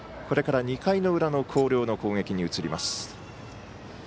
これから２回の裏の広陵の攻撃に移ります。